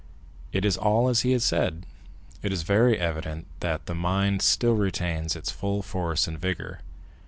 "It is all as he has said; it is very evident that the mind still retains its full force and vigor."